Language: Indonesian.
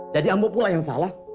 jadi ambok pula yang salah